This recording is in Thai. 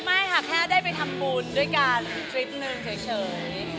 ไม่ค่ะแค่ได้ไปทำบุญด้วยกันทริปหนึ่งเฉย